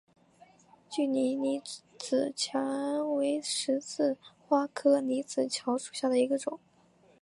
具葶离子芥为十字花科离子芥属下的一个种。